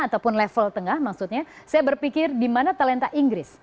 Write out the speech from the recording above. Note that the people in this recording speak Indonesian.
ataupun level tengah maksudnya saya berpikir di mana talenta inggris